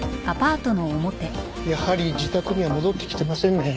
やはり自宅には戻ってきてませんね。